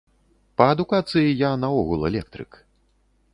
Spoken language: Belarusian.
Па адукацыі я наогул электрык.